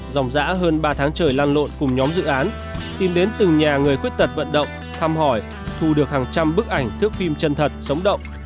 dòng giã hơn ba tháng trời lan lộn cùng nhóm dự án tìm đến từng nhà người khuyết tật vận động thăm hỏi thu được hàng trăm bức ảnh thước phim chân thật sống động